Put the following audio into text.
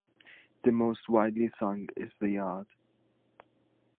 The most widely sung is "The Yard".